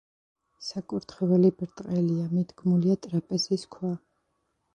საკურთხეველი ბრტყელია, მიდგმულია ტრაპეზის ქვა.